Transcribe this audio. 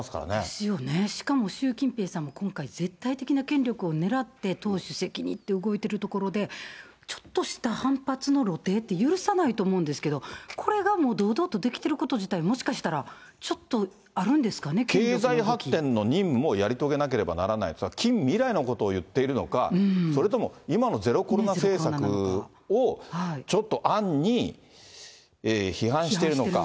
ですよね、しかも習近平さんも今回、絶対的な権力をねらって党主席にって動いているところで、ちょっとした反発の露呈って許さないと思うんですけど、これがもう、堂々とできてること自体、もしかしたら、ちょっとあるんです経済発展の任務もやり遂げなければならないというのは、近未来のことを言っているのか、それとも、今のゼロコロナ政策をちょっと暗に批判しているのか。